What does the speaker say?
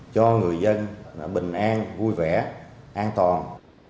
cho người dân bình an vui vẻ an toàn